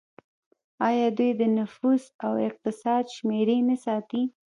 آیا دوی د نفوس او اقتصاد شمیرې نه ساتي؟